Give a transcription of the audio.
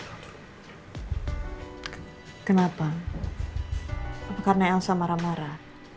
kenapa apa karena elsa marah marah